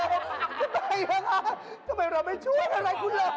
ลิ้นทำไมเราไม่ช่วยอะไรคุณล่ะ